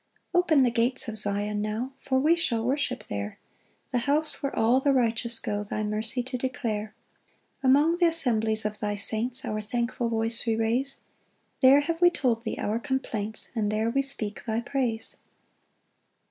3 Open the gates of Zion now, For we shall worship there, The house where all the righteous go Thy mercy to declare. 4 Among th' assemblies of thy saints Our thankful voice we raise! There we have told thee our complaints, And there we speak thy praise.